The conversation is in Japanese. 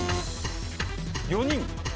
４人？